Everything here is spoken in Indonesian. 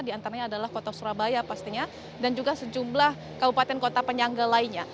di antaranya adalah kota surabaya pastinya dan juga sejumlah kabupaten kota penyangga lainnya